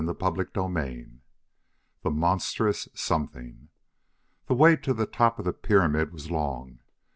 CHAPTER XXI The Monstrous Something The way to the top of the pyramid was long.